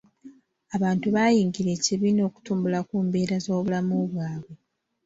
Abantu baayingira ekibiina okutumbula ku mbeera z'obulamu bwabwe.